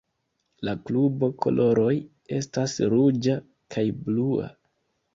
La klubo koloroj estas ruĝa kaj blua.